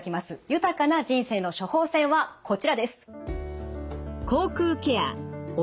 豊かな人生の処方箋はこちらです。